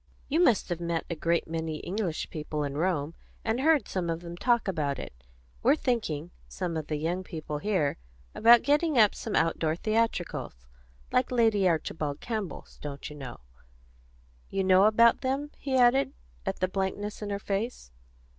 You must have met a great many English people in Rome, and heard some of them talk about it. We're thinking, some of the young people here, about getting up some outdoor theatricals, like Lady Archibald Campbell's, don't you know. You know about them?" he added, at the blankness in her face.